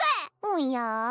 おや？